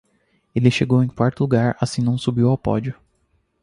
Ele chegou em quarto lugar, assim, não subiu ao pódio.